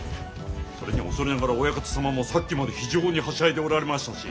それに恐れながらオヤカタ様もさっきまで非常にはしゃいでおられましたし。